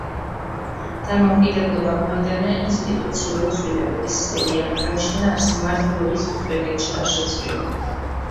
დამოუკიდებლობამ მოიტანა ინსტიტუციური ცვლილებების სერია, მაგრამ შინაარსი მმართველობის უზბეკეთში არ შეცვლილა.